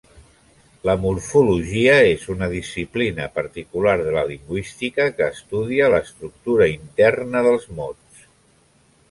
La morfologia és una disciplina particular de la lingüística que estudia l'estructura interna dels mots.